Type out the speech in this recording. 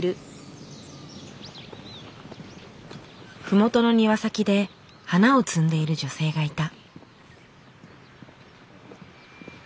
ふもとの庭先で花を摘んでいる女性がいた。